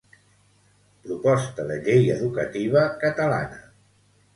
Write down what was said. Proposta de llei educativa catalana.